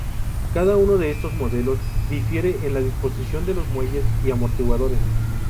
Cada uno de estos modelos difiere en la disposición de los muelles y amortiguadores.